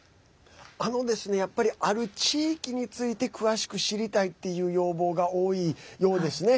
やっぱり、ある地域について詳しく知りたいっていう要望が多いようですね。